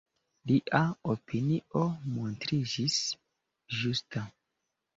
Lia opinio montriĝis ĝusta.